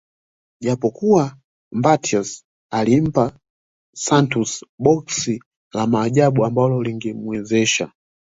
Japokuwa Mbatiany alimpa Santeu boksi la Maajabu ambalo lingemwezesha